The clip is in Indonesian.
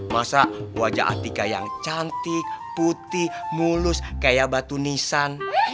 masa wajah atika yang cantik putih mulus kayak batu nisan